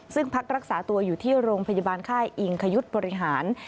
ซึ่งพักรักษาตัวอยู่ที่โรงพยาบาลค่ายอิงคยุทธ์บริหาร